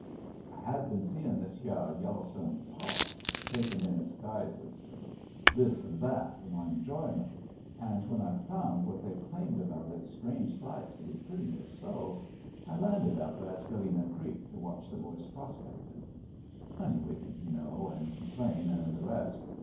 "I had been seein' this hyeh Yellowstone Park, takin' in its geysers, and this and that, for my enjoyment; and when I found what they claimed about its strange sights to be pretty near so, I landed up at Galena Creek to watch the boys prospectin'. Honey Wiggin, yu' know, and McLean, and the rest.